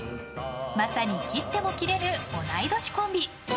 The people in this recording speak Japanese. まさに切っても切れぬ同い年コンビ。